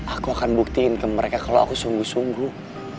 aku akan buktiin ke mereka kalau aku sungguh sungguh